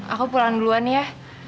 aku pulang duluan ya